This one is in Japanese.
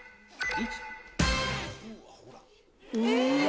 え！